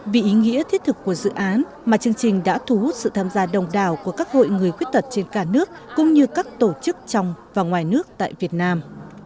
vì ý nghĩa thiết thực của dự án mà chương trình đã thu hút sự tham gia đồng đảo của các hội người khuyết tật trên cả nước cũng như các tổ chức trong và ngoài nước tại việt nam